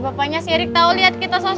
nanti bapaknya si erik tau liat kita soswitan